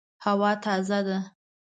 هوا تازه ده